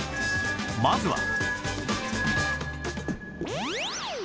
まずは